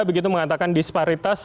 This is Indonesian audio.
begitu mengatakan disparitas